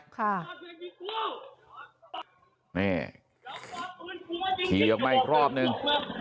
ขี่ออกมาอีกรอบนึง